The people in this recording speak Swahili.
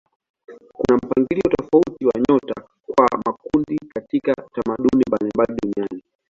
Kuna mpangilio tofauti wa nyota kwa makundi katika tamaduni mbalimbali duniani.